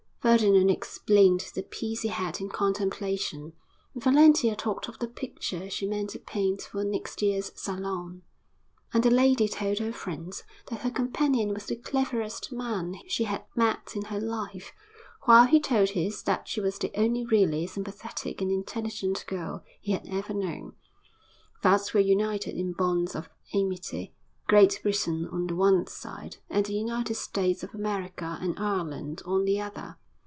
Ferdinand explained the piece he had in contemplation, and Valentia talked of the picture she meant to paint for next year's Salon; and the lady told her friends that her companion was the cleverest man she had met in her life, while he told his that she was the only really sympathetic and intelligent girl he had ever known. Thus were united in bonds of amity, Great Britain on the one side and the United States of America and Ireland on the other.